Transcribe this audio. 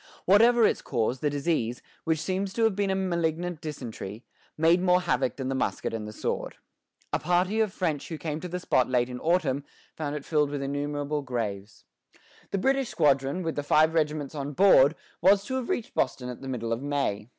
Whatever its cause, the disease, which seems to have been a malignant dysentery, made more havoc than the musket and the sword. A party of French who came to the spot late in the autumn, found it filled with innumerable graves. The British squadron, with the five regiments on board, was to have reached Boston at the middle of May.